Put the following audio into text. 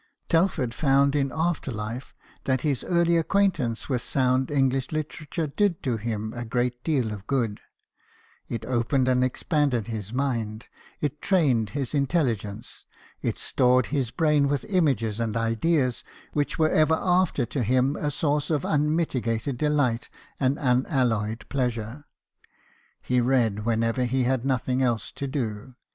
Telford found in after life that his early acquaintance with sound English literature did do him a great deal of good : it opened and expanded his mind ; it trained his intelligence ; it stored his brain with images and ideas which were ever after to him a source of unmitigated delight and unalloyed pleasure. He read whenever he had nothing else to do.